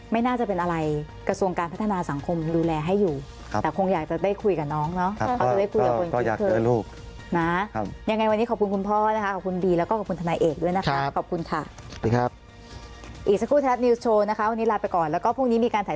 ไม่เป็นไรตำรวจคงตามไม่น่ายากอ่ะ